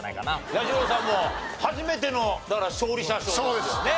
彌十郎さんも初めての勝利者賞ですよね。